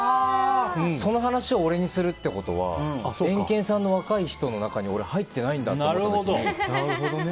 その話を俺にするってことはエンケンさんの若い人の中に俺、入ってないんだって。